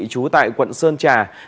chú tại quận sơn trà